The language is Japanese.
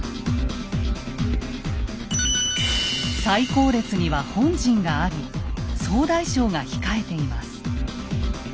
最後列には本陣があり総大将が控えています。